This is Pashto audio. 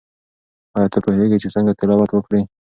آیا ته پوهیږې چې څنګه تلاوت وکړې؟